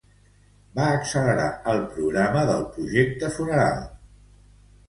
Va accelerar el programa del Projecte Funeral.